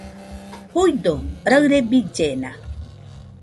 Juido, raɨre billena